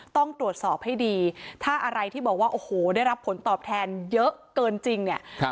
ต้องตรวจสอบให้ดีถ้าอะไรที่บอกว่าโอ้โหได้รับผลตอบแทนเยอะเกินจริงเนี่ย